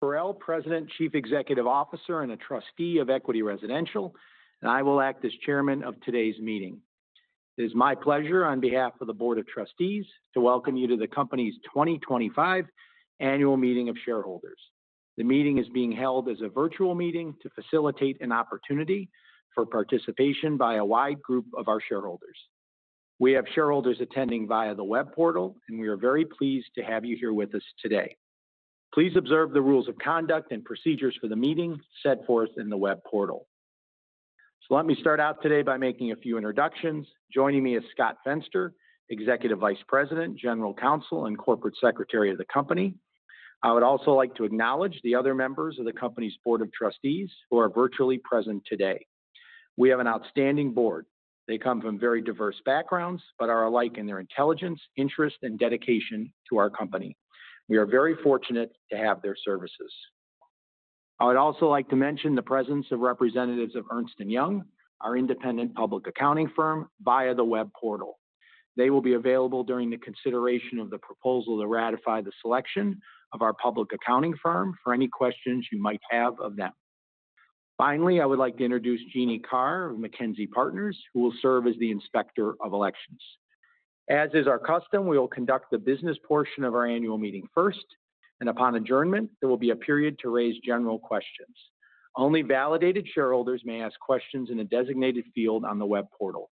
Parrell, President, Chief Executive Officer, and a Trustee of Equity Residential, and I will act as Chairman of today's meeting. It is my pleasure, on behalf of the Board of Trustees, to welcome you to the company's 2025 Annual Meeting of Shareholders. The meeting is being held as a virtual meeting to facilitate an opportunity for participation by a wide group of our shareholders. We have shareholders attending via the web portal, and we are very pleased to have you here with us today. Please observe the rules of conduct and procedures for the meeting set forth in the web portal. Let me start out today by making a few introductions. Joining me is Scott Fenster, Executive Vice President, General Counsel, and Corporate Secretary of the company. I would also like to acknowledge the other members of the company's Board of Trustees who are virtually present today. We have an outstanding board. They come from very diverse backgrounds but are alike in their intelligence, interest, and dedication to our company. We are very fortunate to have their services. I would also like to mention the presence of representatives of Ernst & Young, our independent registered public accounting firm, via the web portal. They will be available during the consideration of the proposal to ratify the selection of our public accounting firm for any questions you might have of them. Finally, I would like to introduce Jeannie Carr of MacKenzie Partners, who will serve as the Inspector of Elections. As is our custom, we will conduct the business portion of our Annual Meeting of Shareholders first, and upon adjournment, there will be a period to raise general questions. Only validated shareholders may ask questions in a designated field on the web portal.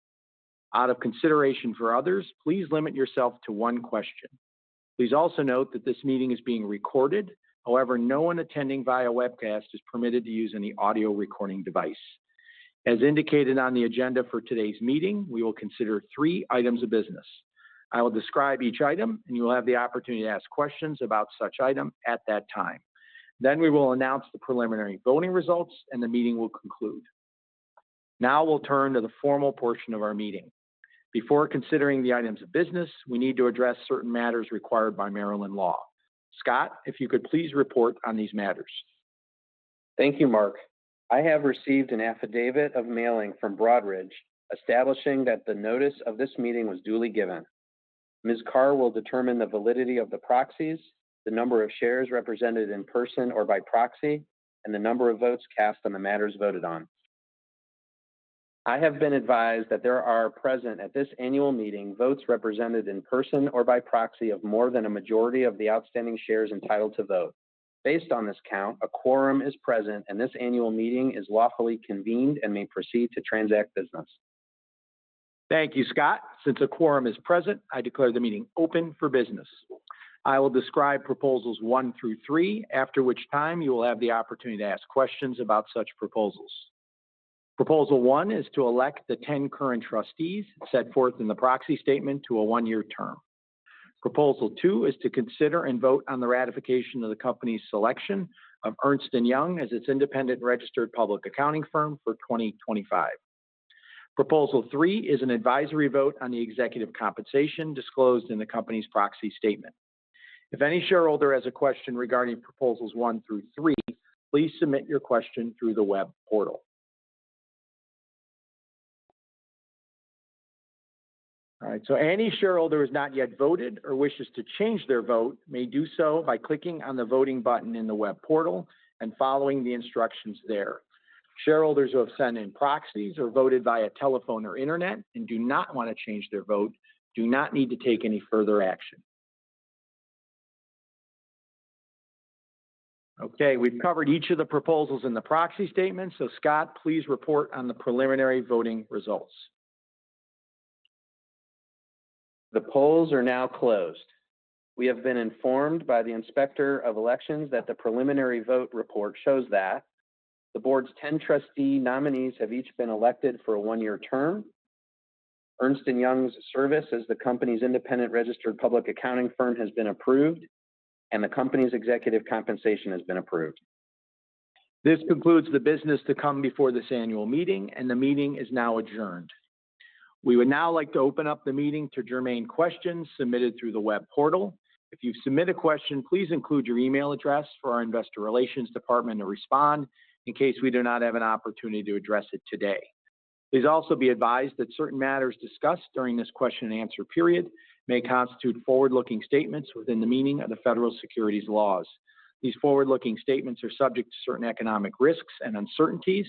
Out of consideration for others, please limit yourself to one question. Please also note that this meeting is being recorded. However, no one attending via webcast is permitted to use any audio recording device. As indicated on the agenda for today's meeting, we will consider three items of business. I will describe each item, and you will have the opportunity to ask questions about such item at that time. We will announce the preliminary voting results, and the meeting will conclude. Now we will turn to the formal portion of our meeting. Before considering the items of business, we need to address certain matters required by Maryland law. Scott, if you could please report on these matters. Thank you, Mark. I have received an affidavit of mailing from Broadridge, establishing that the notice of this meeting was duly given. Ms. Carr will determine the validity of the proxies, the number of shares represented in person or by proxy, and the number of votes cast on the matters voted on. I have been advised that there are present at this annual meeting votes represented in person or by proxy of more than a majority of the outstanding shares entitled to vote. Based on this count, a quorum is present, and this annual meeting is lawfully convened and may proceed to transact business. Thank you, Scott. Since a quorum is present, I declare the meeting open for business. I will describe proposals one through three, after which time you will have the opportunity to ask questions about such proposals. Proposal one is to elect the 10 current trustees set forth in the proxy statement to a one-year term. Proposal two is to consider and vote on the ratification of the company's selection of Ernst & Young as its independent registered public accounting firm for 2025. Proposal three is an advisory vote on the executive compensation disclosed in the company's proxy statement. If any shareholder has a question regarding proposals one through three, please submit your question through the web portal. All right, so any shareholder who has not yet voted or wishes to change their vote may do so by clicking on the voting button in the web portal and following the instructions there. Shareholders who have sent in proxies or voted via telephone or internet and do not want to change their vote do not need to take any further action. Okay, we've covered each of the proposals in the proxy statement, so Scott, please report on the preliminary voting results. The polls are now closed. We have been informed by the Inspector of Elections that the preliminary vote report shows that the Board's 10 trustee nominees have each been elected for a one-year term. Ernst & Young's service as the company's independent registered public accounting firm has been approved, and the company's executive compensation has been approved. This concludes the business to come before this Annual Meeting, and the meeting is now adjourned. We would now like to open up the meeting to germane questions submitted through the web portal. If you submit a question, please include your email address for our Investor Relations Department to respond in case we do not have an opportunity to address it today. Please also be advised that certain matters discussed during this question and answer period may constitute forward-looking statements within the meaning of the federal securities laws. These forward-looking statements are subject to certain economic risks and uncertainties.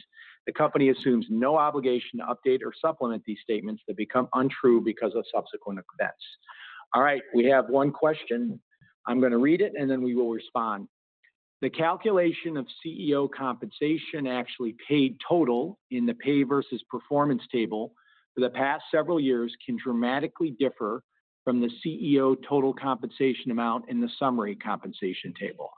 The company assumes no obligation to update or supplement these statements that become untrue because of subsequent events. All right, we have one question. I'm going to read it, and then we will respond. The calculation of CEO compensation actually paid total in the pay versus performance table for the past several years can dramatically differ from the CEO total compensation amount in the summary compensation table.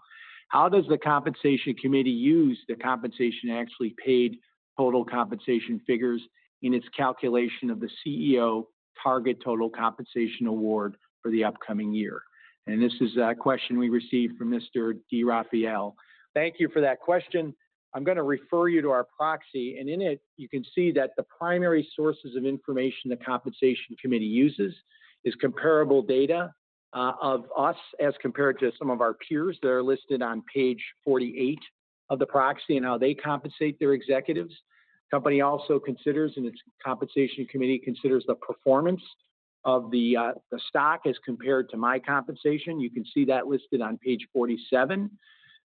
How does the Compensation Committee use the compensation actually paid total compensation figures in its calculation of the CEO target total compensation award for the upcoming year? This is a question we received from Mr. D. Rafael. Thank you for that question. I'm going to refer you to our proxy, and in it, you can see that the primary sources of information the Compensation Committee uses is comparable data of us as compared to some of our peers that are listed on page 48 of the proxy and how they compensate their executives. The company also considers, and its Compensation Committee considers, the performance of the stock as compared to my compensation. You can see that listed on page 47.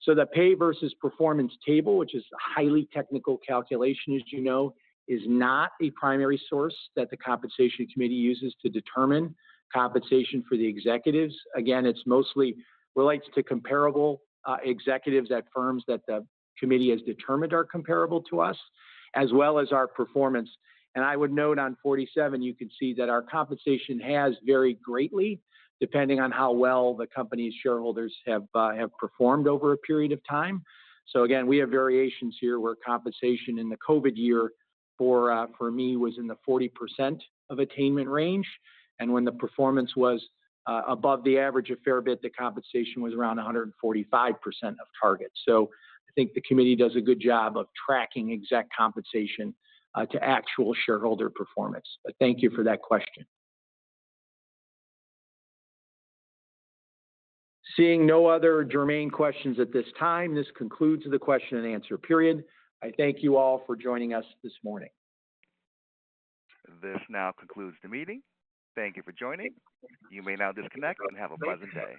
The pay versus performance table, which is a highly technical calculation, as you know, is not a primary source that the Compensation Committee uses to determine compensation for the executives. It mostly relates to comparable executives at firms that the committee has determined are comparable to us, as well as our performance. I would note on 47, you can see that our compensation has varied greatly depending on how well the company's shareholders have performed over a period of time. We have variations here where compensation in the COVID year for me was in the 40% of attainment range, and when the performance was above the average a fair bit, the compensation was around 145% of target. I think the committee does a good job of tracking exact compensation to actual shareholder performance. Thank you for that question. Seeing no other germane questions at this time, this concludes the question and answer period. I thank you all for joining us this morning. This now concludes the meeting. Thank you for joining. You may now disconnect and have a pleasant day.